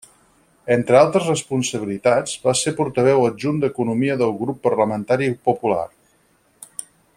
Entre altres responsabilitats, va ser portaveu adjunt d'Economia del Grup Parlamentari Popular.